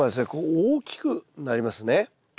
大きくなります。